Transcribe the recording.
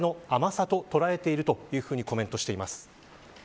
われわれの甘さと捉えているとコメントしています。